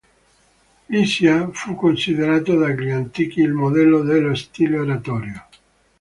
Lisia fu considerato dagli antichi il modello dello stile oratorio.